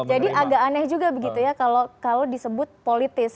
jadi agak aneh juga begitu ya kalau disebut politis